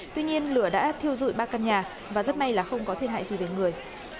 tuy nhiên lửa đã thiêu dụi ba căn nhà và rất may là không có thiệt hại gì về người